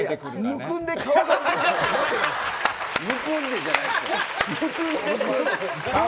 むくんでじゃないですよ。